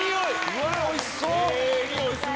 うわっおいしそう！